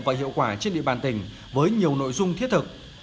và hiệu quả trên địa bàn tỉnh với nhiều nội dung thiết thực